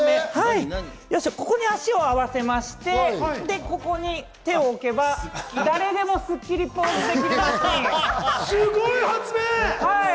ここに足を合わせまして、ここに手を置けば誰でもスッキリポーズできます。